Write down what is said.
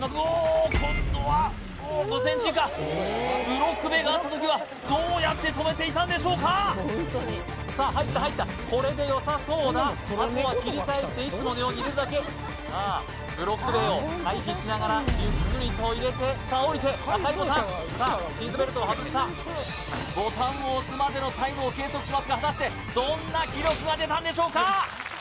おっ今度は５ｃｍ以下ブロック塀があった時はどうやって停めていたんでしょうかさあ入った入ったこれでよさそうだあとは切り返していつものように入れるだけさあブロック塀を回避しながらゆっくりと入れてさあ降りて赤いボタンさあシートベルトを外したボタンを押すまでのタイムを計測しますが果たしてどんな記録が出たんでしょうか？